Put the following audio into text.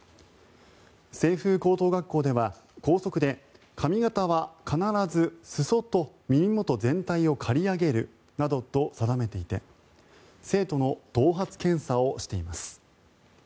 清風高等学校では、校則で髪形は必ず裾と耳元全体を刈り上げるなどと定めていて生徒の頭髪検査をしています。